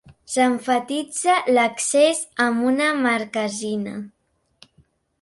S'emfatitza l'accés amb una marquesina.